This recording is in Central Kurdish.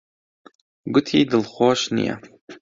گوتی دڵخۆش نییە.